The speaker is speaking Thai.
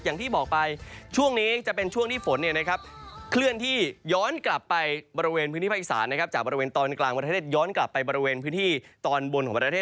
อย่างที่บอกไปช่วงนี้จะเป็นช่วงที่ฝนเนี่ยนะครับ